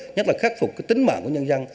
nhất là khắc phục tính mạng của nhân dân